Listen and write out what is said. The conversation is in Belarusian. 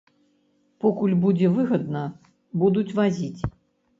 Покуль будзе выгадна, будуць вазіць.